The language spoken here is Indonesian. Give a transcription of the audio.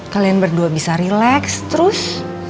kalian berdua bisa relax terus